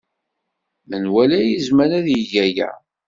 Menwala yezmer ad yeg aya.